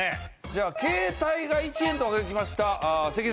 じゃあ「携帯が１円」と書きました関根さん。